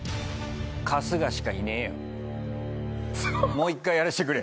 もう１回やらしてくれ。